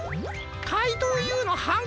かいとうＵのはん